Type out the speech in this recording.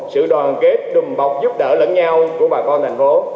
sự đoàn kết đùm bọc giúp đỡ lẫn nhau của bà con thành phố